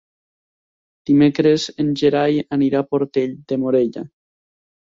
Dimecres en Gerai anirà a Portell de Morella.